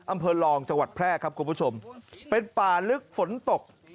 อำเภอรองจังหวัดแพร่ครับคุณผู้ชมเป็นป่าลึกฝนตก